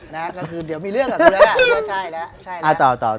นะฮะก็คือเดี๋ยวมีเรื่องกับกูแล้วล่ะใช่แล้ว